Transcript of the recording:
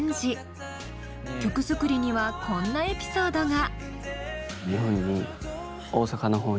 曲作りにはこんなエピソードが。